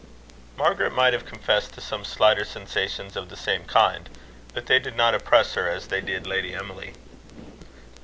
Margaret might have confessed to some slighter sensations of the same kind; but they did not oppress her as they did Lady Emily.